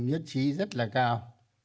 nhất trí rất là cao